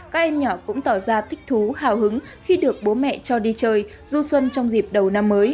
các em nhỏ cũng tỏ ra thích thú hào hứng khi được bố mẹ cho đi chơi du xuân trong dịp đầu năm mới